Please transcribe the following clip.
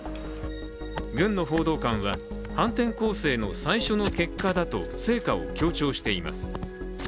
軍の報道官は、反転攻勢の最初の結果だと成果を強調しています。